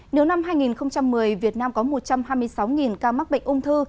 nếu năm hai nghìn một mươi việt nam có một trăm hai mươi sáu ca mắc bệnh ung thư